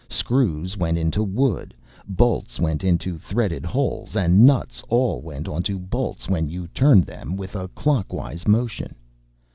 Screws went into wood, bolts went into threaded holes and nuts all went onto bolts when you turned them with a clockwise motion.